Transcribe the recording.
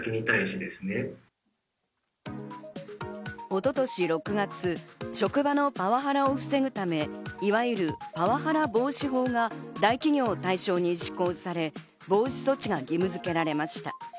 一昨年６月、職場のパワハラを防ぐため、いわゆるパワハラ防止法が大企業を対象に施行され、防止措置が義務づけられました。